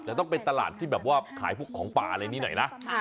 แต่ต้องเป็นตลาดที่แบบว่าขายพวกของป่าอะไรนี้หน่อยนะ